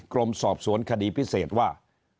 กรมสอบสวนคดีพิเศษว่า